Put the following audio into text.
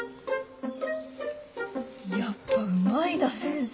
やっぱうまいな先生。